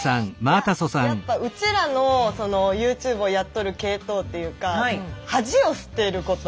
いややっぱうちらのＹｏｕＴｕｂｅをやっとる系統っていうか恥を捨てること。